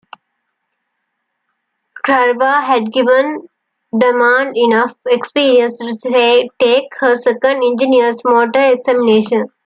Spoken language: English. "Karabagh" had given Drummond enough experience to take her Second Engineer's motor examination.